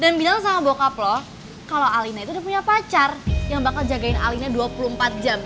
dan bilang sama bokap loh kalau alina itu udah punya pacar yang bakal jagain alina dua puluh empat jam